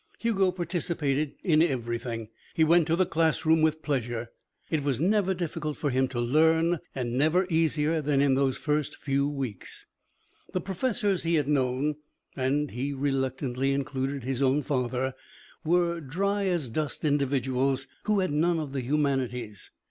Hugo participated in everything. He went to the classroom with pleasure. It was never difficult for him to learn and never easier than in those first few weeks. The professors he had known (and he reluctantly included his own father) were dry as dust individuals who had none of the humanities.